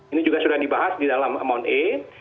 ini juga sudah dibahas di dalam amount a